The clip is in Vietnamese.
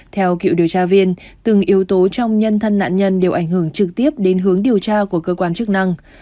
theo cựu điều tra viên từng yếu tố trong nhân thân nạn nhân đều ảnh hưởng trực tiếp đến hướng điều tra của cơ quan chức năng